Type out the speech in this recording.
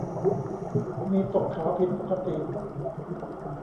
มีตกขาวผิดปกติ